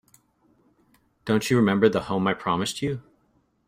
Don't you remember the home I promised you?